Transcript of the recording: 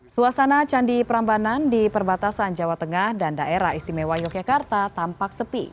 suasana candi prambanan di perbatasan jawa tengah dan daerah istimewa yogyakarta tampak sepi